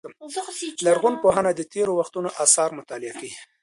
لرغونپوهنه د تېرو وختونو آثار مطالعه کوي.